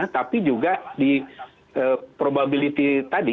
tapi juga di probability tadi